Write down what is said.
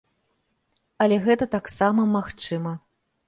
Але гэта таксама магчыма.